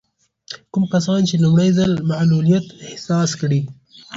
کوم کسان چې لومړی ځل معلوليت احساس کړي.